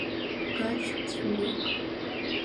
Гач дҵәыуеит…